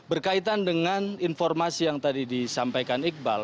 dan berkaitan dengan informasi yang tadi disampaikan iqbal